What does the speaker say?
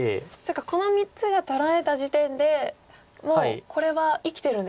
この３つが取られた時点でもうこれは生きてるんですね。